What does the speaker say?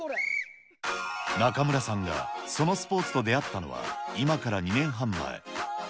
中村さんがそのスポーツと出会ったのは、今から２年半前。